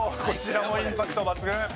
こちらもインパクト抜群。